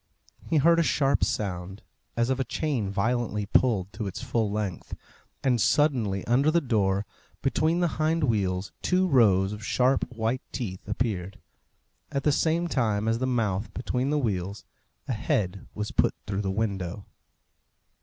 He heard a sharp sound, as of a chain violently pulled to its full length, and suddenly, under the door, between the hind wheels, two rows of sharp white teeth appeared. At the same time as the mouth between the wheels a head was put through the window.